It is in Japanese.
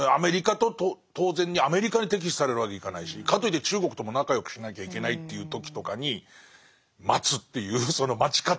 当然にアメリカに敵視されるわけにはいかないしかといって中国とも仲良くしなきゃいけないっていう時とかに待つっていうその待ち方。